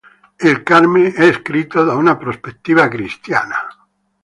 Il "Carmen" è scritto da una prospettiva cristiana.